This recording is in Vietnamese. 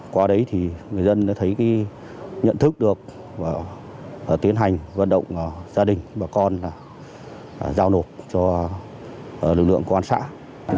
qua đấy thì người dân đã thấy nhận thức được và tiến hành vận động gia đình bà con là giao nộp cho lực lượng công an xã